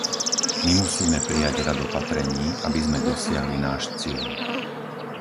My musíme prijať rad opatrení, aby sme dosiahli náš cieľ.